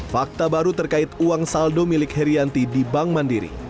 fakta baru terkait uang saldo milik herianti di bank mandiri